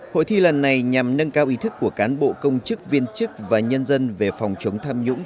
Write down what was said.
hội thi lần này nhằm nâng cao ý thức của cán bộ công chức viên chức và nhân dân về phòng chống tham nhũng